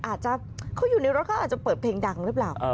อาจจะเขาอยู่ในรถเขาอาจจะเปิดเพลงดังหรือเปล่า